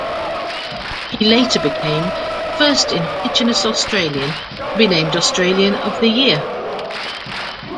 He later became the first Indigenous Australian to be named Australian of the Year.